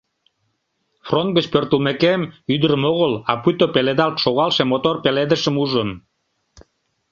Фронт гыч пӧртылмекем, ӱдырым огыл, а пуйто пеледалт шогалше мотор пеледышым ужым.